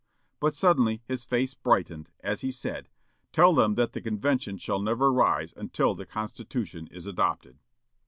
But suddenly his face brightened, as he said, "Tell them that the convention shall never rise until the Constitution is adopted."